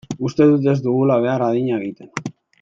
Uste dut ez dugula behar adina egiten.